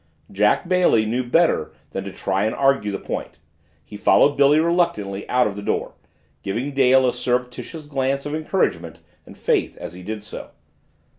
Jack Bailey knew better than to try and argue the point, he followed Billy reluctantly out of the door, giving Dale a surreptitious glance of encouragement and faith as he did so.